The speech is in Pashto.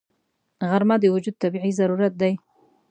غرمه د وجود طبیعي ضرورت دی